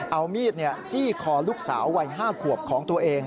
เอามีดจี้คอลูกสาววัย๕ขวบของตัวเอง